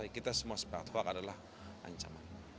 kita semua sepakat hak adalah ancaman